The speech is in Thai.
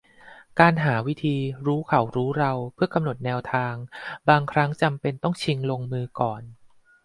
การหาวิธีรู้เขารู้เราเพื่อกำหนดแนวทางบางครั้งจำเป็นต้องชิงลงมือก่อน